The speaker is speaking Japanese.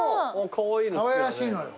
かわいらしいのよ。